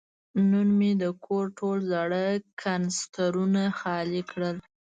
نن مې د کور ټول زاړه کنسترونه خالي کړل.